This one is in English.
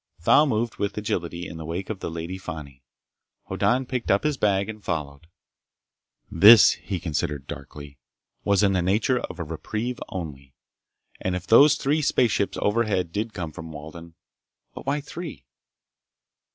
Thal moved with agility in the wake of the Lady Fani. Hoddan picked up his bag and followed. This, he considered darkly, was in the nature of a reprieve only. And if those three spaceships overhead did come from Walden—but why three?